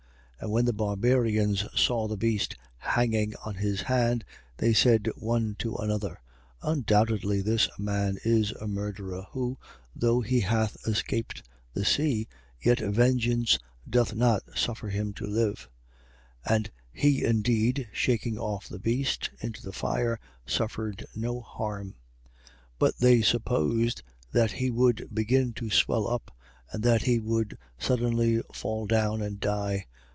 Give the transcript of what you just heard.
28:4. And when the barbarians saw the beast hanging on his hand, they said one to another: Undoubtedly this man is a murderer, who, though he hath escaped the sea, yet vengeance doth not suffer him to live. 28:5. And he indeed, shaking off the beast into the fire, suffered no harm. 28:6. But they supposed that he would begin to swell up and that he would suddenly fall down and die.